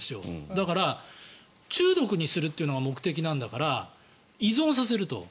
だから、中毒にするってのが目的なんだから依存させると。